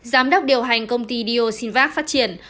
giám đốc điều hành công ty d o sinvac phát triển